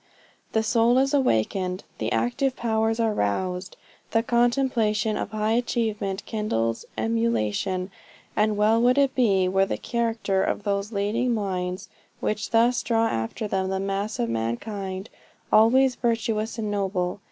The soul is awakened, the active powers are roused, the contemplation of high achievement kindles emulation; and well would it be were the character of those leading minds, which thus draw after them the mass of mankind, always virtuous and noble.